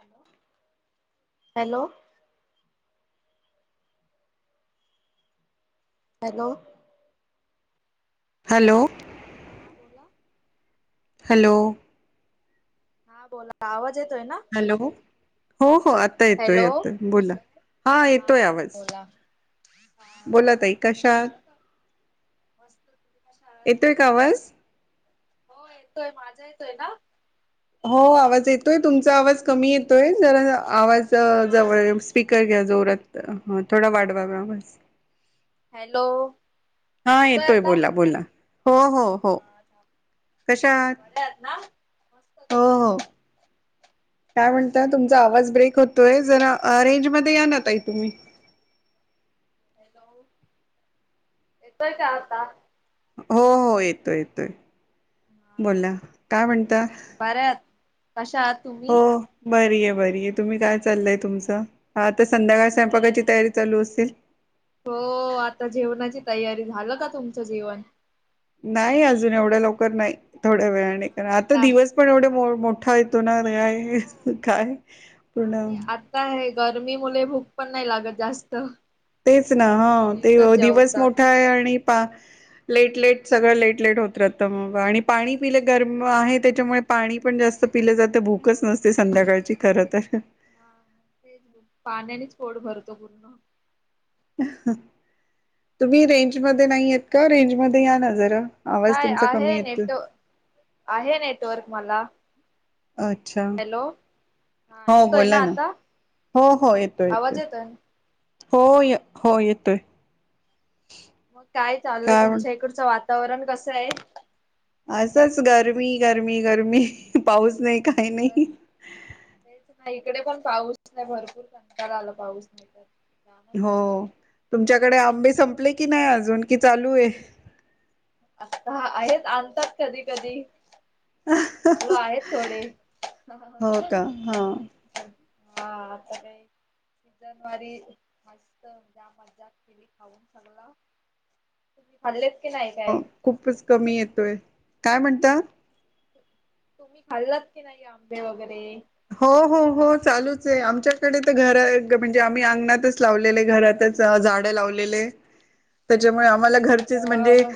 Hello hello hello hello हा बोला hello हा बोला आवाज येत हॅलो हो हो आता येतोय हॅलो येतोय बोला हा येतोय आवाज हा बोला ताई कशात झालं का मस्त तुमच्या शाळेत येतोय का आवाज हो येतोय माझा येतोय ना हो आवाज येतोय हॅलो तुमचा आवाज कमी येतोय जरा आवाज जवळ स्पीकर घ्या जोरात थोडा वाढवाव हा आवाज हॅलो हा येतोय बोला बोला हो हो हो कश आात बरे आहात ना मस्त तु्ही काय म्हणतय तुमचा आवाज ब्रेक होतोय जरा अ रेंज मध्ये येणारई तुम्ही येतोय का आता हो हो येतोय येतोय हा बोला काय म्हणत बऱ्या आहात कशा आहात तुम्ही बरी आहे बरी आहे तुम्ही काय चाललय तुमचं हात काही नाही हो आता जेवणाची तयारी झा झालं का तुमचं जीवन नाही अजून एवढ्या लवकर नाही थोड्या वेळाने नाही आता काय दिवस पण एवढे मो हा मोठा येतो हो नाय काय हा, पण आणि आता हे गरमी मु भूक पण नाही लागत जास्त तेच ना सर्व हा ते लेटच दिवस जेवतात. मोठा आहे आणि पा लेट लेट सगळं लेट लेट होत राहत मग आणि पाणी पिले गरम आहे त्याच्यामुळे पाणी पण जास्त पिलं जात भूकच नसते हा संध्याकाळची खर तर फोड भरतो पूर्ण तुम्ही रेंज मध्ये नाहीय का रेंज मध्ये या ना जरा आवाज नाही तुमचा आहे कमी येतो नेट आहे नेटवर्क मला अच्छा हॅलो. हा हो येतोय बोोलला ना आता हो हो येतोय येतोय आवाज ना. हो य हो येतोय मग काय चाललंय काय म्हण तुमच्या इकडचं वातावरण कस आहे असंच गरमी गरमी गरमी पाऊस नाही काही बर नाही तेच नाही तकडे पण पाऊस नाही भरपूर कंकाळ आला पाऊस नाही तर जामच हो गरम तुमच्याकडे आंबे संपले की नाही अजून कि चालू आहे आता आहेत आणतात कधी कधी चालू आहेत थोडे हा हो का हा आता सीजन वारी मस्त ज्या मज्ज केली खाऊन सगळ तुम्ही खाल्लेत की नाही काय हो खूपच कमी येतोय काय म्हणत तुम्ही खाल्लात की नाही आंबे वगैरे हो हो हो चालूच आमच्याकडे तर घर म्हणजे आम्ही अंगणातच लावलेले घरातच झाड लावलेले त्याच्यामुळे आम्हाला घरचेच जेव्हा म्हणजे मग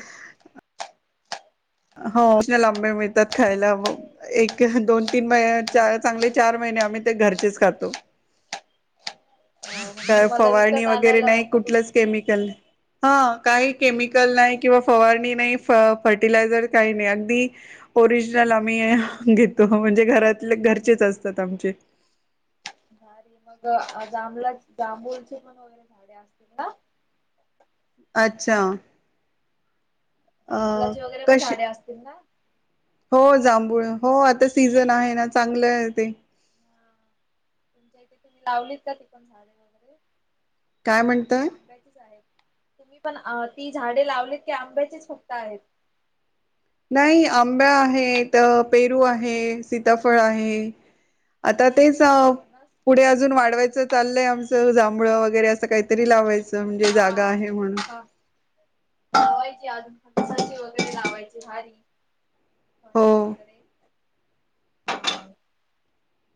हो लांबे मिळतात खायला एक दोन तीन महि चांगले चार महिने आम्ही ते घरचेच खातो का म्हणजे तुम्हाला फवारणी विकत वगैरे आणायला नाही नको कुठलंच तुमचेच केमिकल हा काय केमिकल नाही किंवा फवारणी नाही फर्टिलाझर काही नाही अगदी ओरिजनल आम्ही घेतो म्हणजे घरात घरचेच असतात आमचे [inaudible] झाारी मग जांभला जांभूळचे पण वगैरे झाडे असतील ना [inaudible] अच्छा अ जांभलाची वगैरे पण कशी झाडे असतील ना हो जांभूळ हो आता जांभूळ सीझन आहे ना चांगलं आहे ते तुमच्या इथे, तुम्ही लावलीत का ती पण झाडे, वगैरे काय ते म्हणतोय? आंब्याचीच आहेत. तुम्ही पण, अ ती झाडे लावलीत ती आंब्याचीच फक्त आहेत नाही आंब्या आहेत, पेरू आहे, सीताफळ आहे आता तेच, पुढे अजून वाढवायचं चाललंय, आमचं जांभळं वगैरे असं काहीतरी लावायचं. म्हणजे जागा हा आहे म्हणून हा लावायची अजून फणसाची वगैरे लावायचे भारी हो फणस वगैरे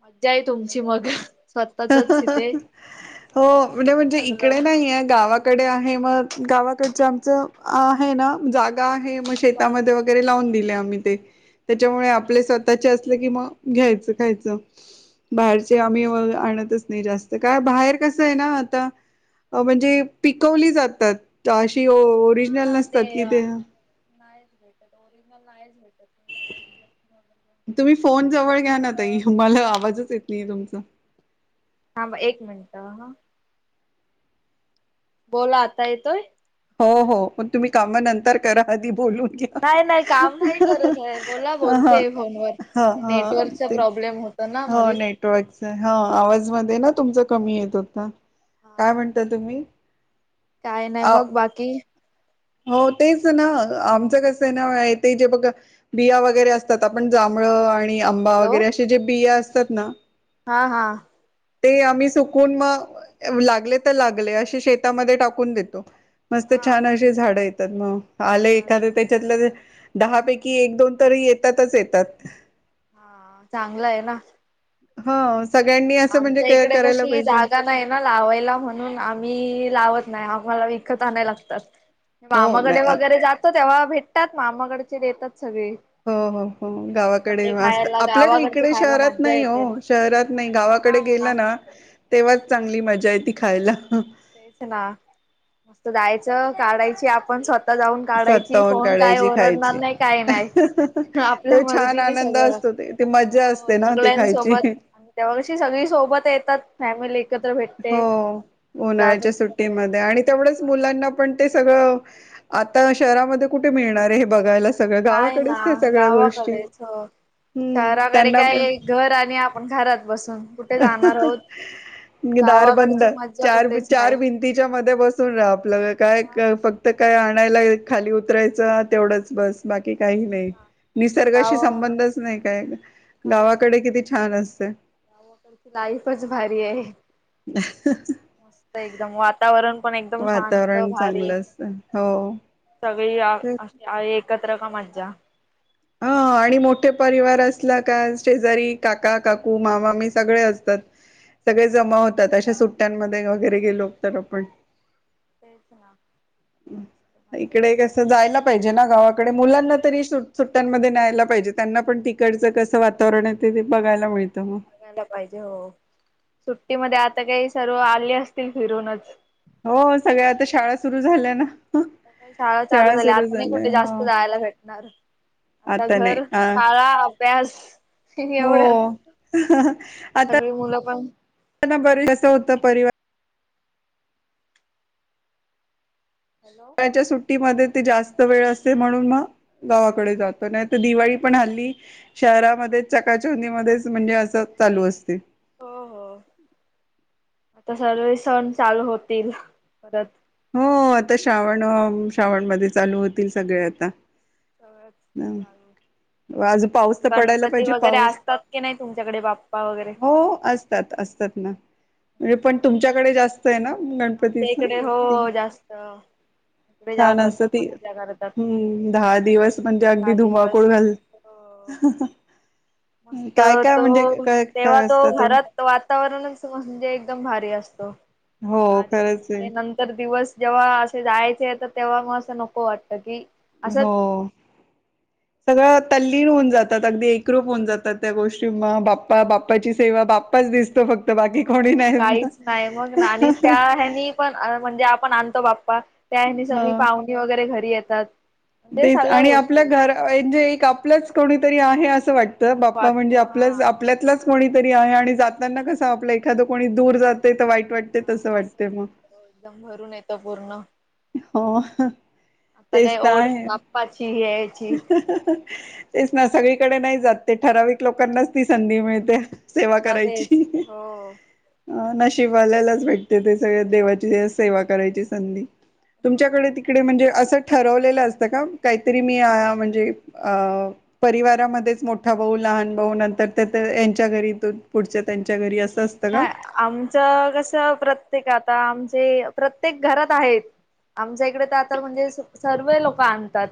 मज्जा, आहे तुमची मग ह, स्वतःचच ह, ह, इथे ह, हो म्हणजे समोरासमोर म्हणजे सगलं इकडे नाही आहे गावा कडे आहे, मग गावाकडचं आमचं आहे ना जागा हा आहे म शेतामध्ये वगैरे लावून दिले आम्ही ते, त्याच्यामुळे आपले स्वतःचे असलं की, म घ्यायचं, खायचं बाहेरचे आम्ही [unintelligible] नाही जास्त काय बाहेर कसं हाय ना आता, अ म्हणजे पीकवली जातात की ओरिजनल नसतात कि ते त्यात ओरिजनल नायच भेटत, काय आता तुम्ही फोन जवळ घ्या ना ताई, मला आवाजच येत नाहीय तुमचा. थांबा, एक मिनट हं बोला, आता येतोय? हो, हो पण तुम्ही काम नंतर करा, आधी बोलून घ्या नाय, नाय, काम नाही करत आहे बोला हा बोलतेय फोनवर, हा हा नेटवर्कचा ते प्रॉब्लेम होत हो, नेटवर्कचा, हो आवाजमध्ये ना तुमच कमी येत होता, काय म्हणता तुम्ही? काय नाय आ मग, बाकी हो, तेच ना, आमचं कस आहे ना ते जे बघा बिया वगैरे असतात आपण जां ह [unintelligible] आणि आंबा वगैरे, असे जे बिया असतात ना हा, हा ते आम्ही सुकून म, लागले तर लागले असे शेतामध्ये टाकून देतो. मस्त, हा छान, मग अशी झाडं येतात म आलं झाड एखादं त्याच्यातलं ते दहापैकी, एक, दोन तरी येतातच येतात. हा, चांगलं आहे ना? हा सगळ्यांनी असं म्हणजे आमच्या काय इकडे करायला कशी पाहिजे जागा नाही ना लावायला म्हणून आम्ही लावत नाय मला विकत आणायला लागतात, हो मामाकडे नाही वगैरे जातो तेव्हा भेटतात मामाकडचे देतात सगळे. हो, हो, हो, हा पण गावाकडे ते अस्त, खायला आपल्या गावाकडचे इकडे खायला शहरात मज्जा नाही हो, येते ना. शहरात नाही गावाकडे हा गेलं ना तेव्हाच चांगली मजा येती खायला तेच ना, मस्त जायचं, काढायची आपण स्वतः आता जाऊन काढायची, स्वतःहून कोन काय काढायची ओरडणार खायची. नाय, काय नाय, आपल्या तो छान मर्जीने आनंद सगळं असतो ते ती मज्जा हो, असते ना ती सगळ्यांसोबत खायची. आणि त्यावर्षी सगळी सोबत येतात फॅमिली एकत्र भेटते हो मग अजून उन्हाळ्याच्या मज्जा येते. सुटीमध्ये आणि तेवढंच मुलांना पण ते सगळं, आता शहरामध्ये कुठे मिळणार आहे हे बघायला सगळं नाही ना गावाकडेच त्या सगळ्या गोष्टी गावाकडेच हो हम्म शहराकडे त्यांना पण काय, घर आणि आपण, घरात बसून, कुठे जाणार आहोत नी दार बंद, गावाकडची मज्जा चार कुठेच नाही चार भिंतीच्या मध्ये बसून राहा आपलं, काय हा ना फक्त काय आणायला, खाली उतरायचं तेवढंच बस. बाकी काही तेच नाही, ना निसर्गाशी गावा संबंधच नाही काय, गावाकडे किती छान असते. टरची [unintelligible] लाईफच भारी आहे मस्त एकदम वातावरण पण एकदम शांत वातावरण भारी चांगलं असतं हो तेच अशी आहे एकत्र का मज्जा हा आणि मोठे परिवार असला का शेजारी काका काकू मामामी सगळे असतात सगळे जमा हो होतात अशा सुट्ट्यांमध्ये वगैरे गेलो तर आपण तेच ना मजा इकडे येते कस मग जायला पाहिजे ना गावाकडे मुलांना तरी सु सुट्ट्यांमध्येध्ये न्यायला पाहिजे त्यांना पण तिकडचं कसं वातावरण येत ते बघायला मिळत बघायला पाहिजे हो सुट्टीमध्ये आता काही सर्व आले असतील फिरूनच हो सगळ्या आता शाळा सुरू झाल्या ना का शाळा चालू झाल्या आता नाही कुठे जास्त जायला भेटणार आता नाही घर अ शाळा अभ्यास हो एवढंच आता सगळी मुलं पण कस होत परिवार हॅलो शळच्या [unintelligible] सुट्टीमध्ये जास्त वेळ असे म्हणून मग गावाकडे जातो नाही तर दिवाळी पण हल्ली शहरामध्ये ते चकाच हंदी मध्येच म्हणजे असं चालू असते हो हो आता सगळे सण चालू होतील परत हो आता श्रावण श्रावणमध्येध्ये चालू होतील सगळे आता सवच चालू आज पाऊस तर पडायला गणपती पाहिजे वगैरे पाऊस असतात की नाही तुमच्याकडे बाप्पा वगैरे म्हणे पण तुमच्याकडे जास्त आहे ना आच्या गणपतीच इकडे हो जास्त जा छान असत भरपूर ती मज्जा करतात हम्म दहा दिवस म्हणजे अगदी दहा धुमाकूळ दिवस. घाल ह हो [unintelligible] मस्त तो काय तेव्हा काय तो असत तुम्ही घरात वातावरणच म्हणजे एकदम भारी असतो हो दहा दिवस खरंच आहे ते नंतर दिवस जेव्हा असे जायचे तर तेव्हा मग असं नको वाटतं की हो ह [inaudible] सगळं तल्लीन होऊन जातात अगदी एकरूप होऊन जातात त्या गोष्टी मग बाप्पा बाप्पाची सेवा बा बा्पच दिसतो फक्त बाकी कोणी नाहीत ना काहीच नाही मगच त्या ह्यांनी पण म्हणजे आपण आणतो बाप्पा त्या सगळी पाहुणी वगैरे घरी येतात म्हणजे तेच सगळ्या आणि गोष्टी आपल्या घर म्हणजे आपलच कोणीतरी आहे असं वाटत बाप्पा वाटत म्हणजे हा आपल्यातलाच कोणी तरी आहे आणि जातना कस आपलं एखाद कोणी दूर हा जाते तर वाईट वाटते तसं वाटते मग महवपूर्ण हो आता तेच काय तर ओढ आहे बाप्पाची आहे तेच ना सगळीकडे नाही जात ते ठराविक लोकांनाच ती संधी मिळते हा सेवा ना तेच करायची हो अ नशिबवाल्यालाच हो भेटते ते सगळ देवाची सेवा करायची संधी तुमच्याकडे ना तिकडे म्हणजे असं ठरवलेलं असतं काहीतरी ी [unintelligible] म्हणजे परिवारामध्येच मोठा भाऊ लहान भाऊ नंतर त्यांच्या घरी पुढ त्यांच्या घरी असतं का? नाही आमचं कस प्रत्येक आता आम ते प्रत्येक घरात आहेत आमच्या इकडे तर तर म्हणजे सर्व लोक आणतात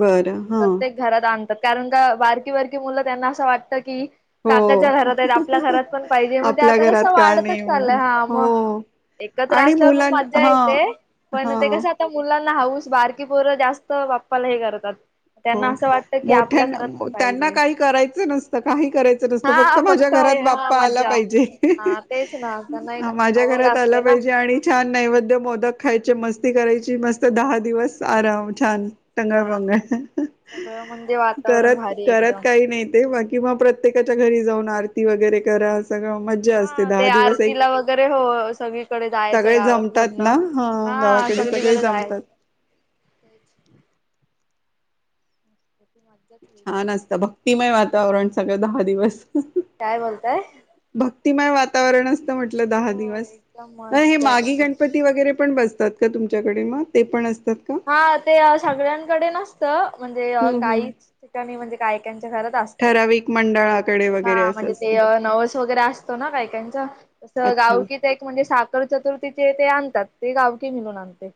बरं हा प्रत्येक घरात आणतात कारण का बारकी बारकी मुलं त्यांना असं वाटत की हो काकाच्या घरात आहेत आपल्या घरात पण पाहिजे मग आपल्या आता घरात कसं का वाढतच नाही म्हणा चाललंय हा मग हो एकत्र आणि असल्यावर म मुलां मज्जा हा येते पण हा ते कस आता मुलांना हाऊस बारकी पोर जास्त बाप्पाला हे करतात हो त्यांना असं वाटतं की मोठ आपल्या घरातून त्यांना पाहिजे काही करायचं नसतं काही करायचं नसतं फक्त हा माझ्या घरा परात हा बाप्पा आला मज्जा पाहिजे हा तेच ना त्यांना एक माझ्या आवड घरात असते आला ना पाहिजे आणि छान नैवद्य मोदक खायचे मस्ती करायची मस्त दहा दिवस आराम छान टंगळ पंगळ सगळं म्हणजे वातावरण करत भारी करत एकदम काही नाही ते किंवा प्रत्येकाच्या घरी जाऊन आरती वगैरे करा सगळं मज्जा हा असते ते दहा दिवस एक आरतीला वगैरे हो सगळीकडे जायचं सगळे गावात जमतात पूर्ण ना हा गावाकडे सगळे सगलीकडेच आहे जमतात वेगळी छान ना. असत भक्तिमय वातावरण सगळं दहा दिवस काय बोलताय िमाय वातावरण असत म्हटलं दहा हो दिवस एकदम हे मज्जा मागी येते. गणपती वगैरे पण बसत तात का तुमच्याकडे मग ते पण अस हा ते सगळ्यांकडे नसत म्हणजे हम्म हम्म काही ठिकाणी म्हणजे कायक त्याच्या घरात असत ठराविक मंडळाकडे वगैरे हा असं म्हणजे ते असतं. नवस वगैरे असतो ना कायकांच त अच्छा गाव क तर एक म्हणजे साखर चतुर्थीचे ते आणतात ते गावकी मिणून आणते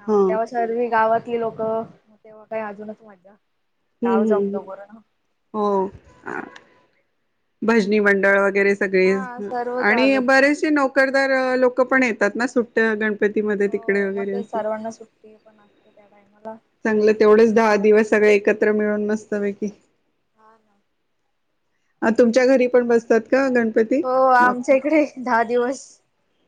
हा मग तेव्हा सर्वी गावातली लोकं मग तेव्हा काही अजूनच माझ्या हम्म हम्म हम् हो भजनी मंडळ वगैरे सगळे हा सर्व आणि चालूच बरेचसे नोकरदार लोक पण आहेत तात ना सुट्ट्या गण हो मग ते सर्वांना सुट्टी पण असते त्या टायमाला चांगलं तेवढेच दहा दिवस सगळळे एकत्र मिळून मस्तपैकी हा हा अ तुमच्या घरी पण बसतात का गणपती हो बाप आमच्या इकडे दहा दिवस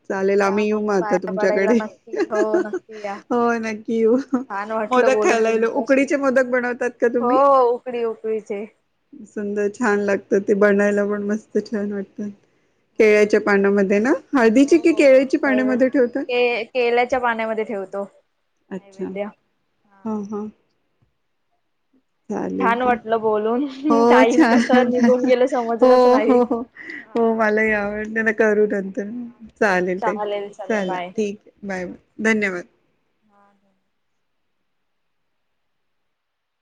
चालेल या आम्ही येऊ मग म आता पाया पडायला तुमच्याकडे नक्की हो नक्की या हो नक्की येऊ छान वाटलं मोदक बोलून खायला आलो तुमच्याशी उकडीचे मोदक बनवतात का हो तुम्ही उकडी उकडीचे सुंदर छान लागतं ते बनायला पण मस्त छान वाटतात हा केळ्याच्या पाण्यामध्ये ना हळदीची हो कि हो केळ्याची नैवेद पाण्यामध्ये ठेवतात के केल्याच्या पाण्यामध्ये ठेवतो अच्छा हा हा चालेल छान ते वाटलं बोलून हो टाईम कसं छान निघून गेलं हो समजलंच हो नाही हो हा मलाव करू नंतर चालेल त चला ठीक आहे बाय बा धन्यवाद हा हा